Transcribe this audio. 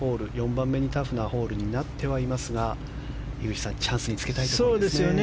４番目にタフなホールになってはいますが樋口さんチャンスにつけたいですね。